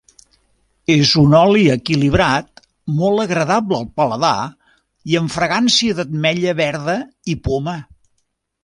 És un oli equilibrat, molt agradable al paladar i amb fragància d'ametlla verda i poma.